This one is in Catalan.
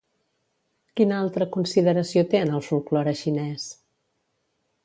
Quina altra consideració té en el folklore xinès?